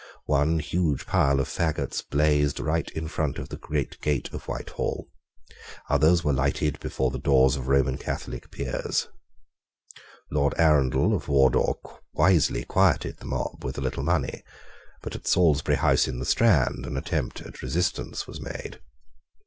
One huge pile of faggots blazed right in front of the great gate of Whitehall. Others were lighted before the doors of Roman Catholic Peers. Lord Arundell of Wardour wisely quieted the mob with a little money: but at Salisbury House in the Strand an attempt at resistance was made.